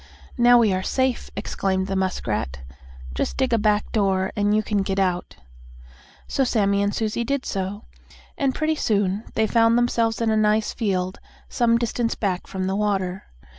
"Now we are safe!" exclaimed the muskrat. "Just dig a back door and you can get out." So Sammie and Susie did so, and, pretty soon, they found themselves in a nice field, some distance back from the water.